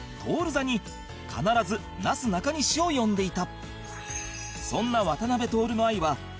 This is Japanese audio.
座に必ずなすなかにしを呼んでいた